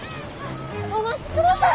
お待ちください！